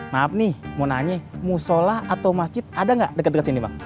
maaf nih mau nanya musola atau masjid ada nggak dekat dekat sini bang